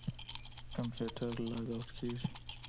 کمپيوټر لاګ آوټ کېږي.